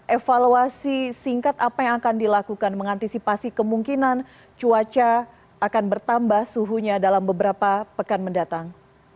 evaluasi singkat apa yang akan dilakukan mengantisipasi kemungkinan cuaca akan bertambah suhunya dalam beberapa pekan mendatang